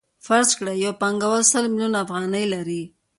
فرض کړئ یو پانګوال سل میلیونه افغانۍ لري